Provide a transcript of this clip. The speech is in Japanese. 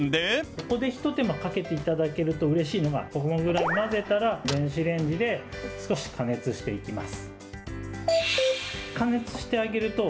ここで一手間かけていただけるとうれしいのが、このぐらい混ぜたら少し加熱していきます。